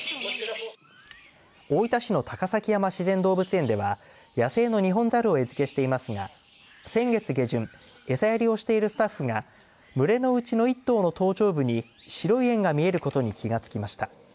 大分市の高崎山自然動物園では野生のニホンザルを餌付けしていますが、先月下旬えさやりをしているスタッフが群れのうちの１頭の頭頂部に白い円が見えることに気づきました。